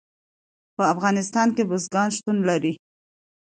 په افغانستان کې بزګان شتون لري.